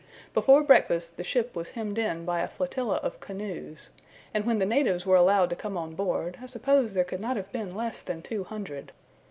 Before breakfast the ship was hemmed in by a flotilla of canoes; and when the natives were allowed to come on board, I suppose there could not have been less than two hundred.